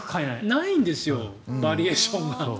ないんですよバリエーションが。